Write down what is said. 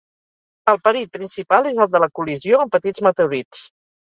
El perill principal és el de la col·lisió amb petits meteorits.